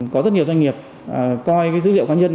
có rất nhiều doanh nghiệp coi dữ liệu cá nhân